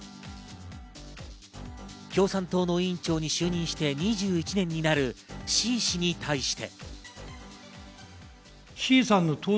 共産党の委員長に就任して２１年になる、志位氏に対して。